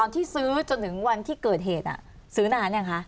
ที่ซื้อจนถึงวันที่เกิดเกิดเหตุยังคะ